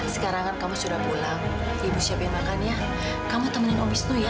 sekarang kamu sudah pulang ibu siapin makannya kamu temen om isnu ya